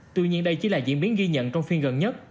tuy nhiên đây chỉ là diễn biến ghi nhận trong phiên gần nhất